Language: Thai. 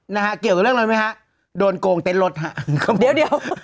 นะฮะเกี่ยวกับเรื่องอะไรไหมฮะโดนโกงเต้นรถฮะเดี๋ยวเดี๋ยว